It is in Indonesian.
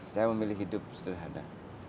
saya memilih hidup sederhana